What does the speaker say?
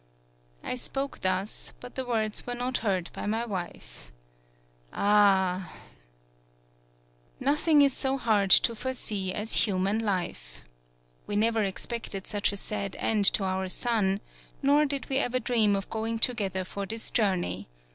I spoke thus, but the words were not heard by my wife. Ah ! Nothing is so hard to foresee as hu man life. We never expected such a sad end to our son, nor did we ever dream of going together for this jour ney.